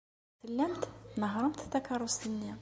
Tellamt tnehhṛemt takeṛṛust-nni.